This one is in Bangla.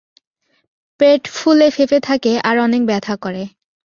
পেট ফুলে ফেপে থাকে আর অনেক ব্যথা করে।